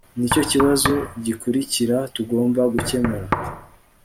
Nicyo kibazo gikurikira tugomba gukemura